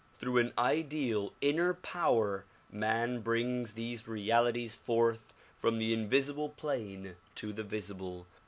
Through an ideal inner power man brings these realities forth from the in visible plane to the visible.